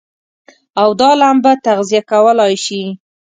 او دا لمبه تغذيه کولای شي.